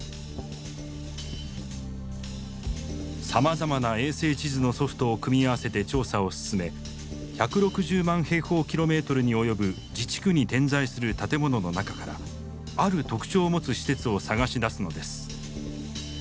さまざまな衛星地図のソフトを組み合わせて調査を進め１６０万平方キロメートルに及ぶ自治区に点在する建物の中からある特徴を持つ施設を探し出すのです。